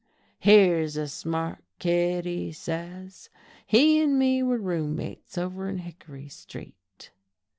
'Here's a smart kid! he says, 'He and me were room mates over in Hickory Street.'